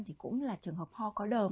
thì cũng là trường hợp ho có đờm